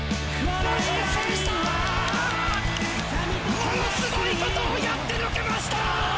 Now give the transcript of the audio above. ものすごいことをやってのけました！